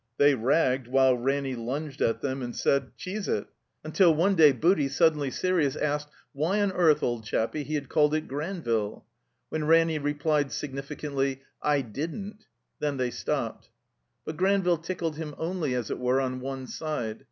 They ''ragged" while Ranny lunged at them and said, 145 THE COMBINED MAZE ''Cheese it"; tintil one day Booty, suddenly serious, asked, why on earth, old chappie, he had called it Granville? When Ranny replied significantly, I didn't." Then they stopped. But Granville tidded him only, as it were, on one side.